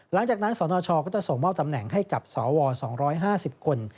หลังจากนั้นสนชก็จะส่งมอบตำแหน่งให้กับสว๒๕๐คน